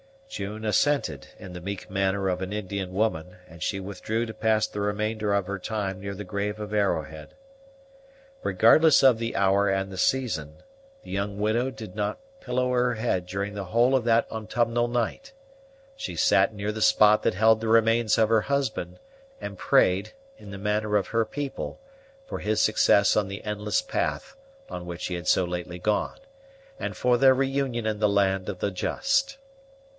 June assented in the meek manner of an Indian woman, and she withdrew to pass the remainder of her time near the grave of Arrowhead. Regardless of the hour and the season, the young widow did not pillow her head during the whole of that autumnal night. She sat near the spot that held the remains of her husband, and prayed, in the manner of her people, for his success on the endless path on which he had so lately gone, and for their reunion in the land of the just.